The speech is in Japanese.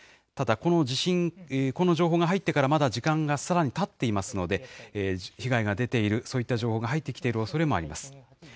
ただこの地震、この情報が入ってからまだ時間がさらにたっていますので、被害が出ている、そういった情報が入ってきているおそれもあります。